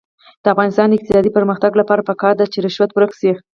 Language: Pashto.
د افغانستان د اقتصادي پرمختګ لپاره پکار ده چې رشوت ورک شي.